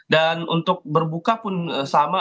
dan untuk berbuka pun sama